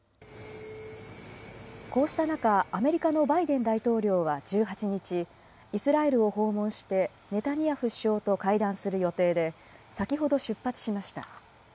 こうした中、アメリカのバイデン大統領は１８日、イスラエルを訪問してネタニヤフ首相と会談する予定で、先ほど出発しました。